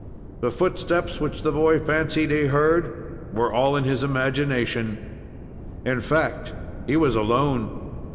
The footsteps which the boy fancied he heard were all in his imagination. In fact, he was alone.